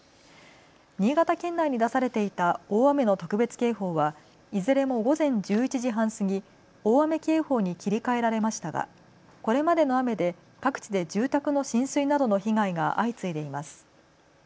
新潟県内に出されていた大雨の特別警報はいずれも午前１１時半過ぎ大雨警報に切り替えられましたがこれまでの雨で各地で住宅の浸水などの被害が相次いでいます。